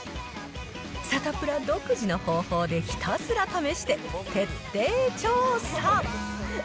サタプラ独自の方法でひたすら試して徹底調査。